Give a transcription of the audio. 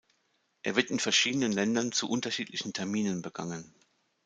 Er wird in verschiedenen Ländern zu unterschiedlichen Terminen begangen.